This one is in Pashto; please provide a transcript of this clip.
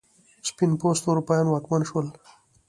سپین پوسته اروپایان واکمن شول.